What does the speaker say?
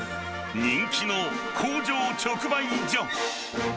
人気の工場直売所。